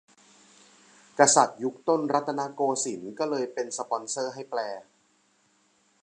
กษัตริย์ยุคต้นรัตนโกสินทร์ก็เลยเป็นสปอนเซอร์ให้แปล